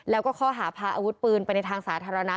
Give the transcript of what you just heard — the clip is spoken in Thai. แล้วก็ข้อหาพาอาวุธปืนไปในทางสาธารณะ